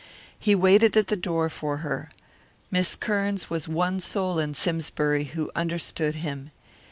He waited at the door for her. Miss Kearns was the one soul in Simsbury who understood him.